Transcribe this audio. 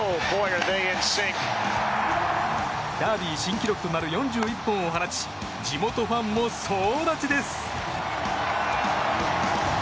ダービー新記録となる４１本を放ち地元ファンも総立ちです。